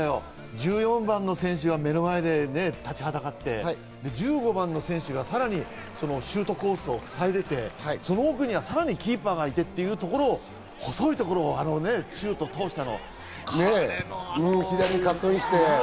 １４番の選手が目の前に立ちはだかって、１５番の選手がさらにシュートコースをふさいでいて、その奥にさらにキーパーがいてというところにシュートを通した。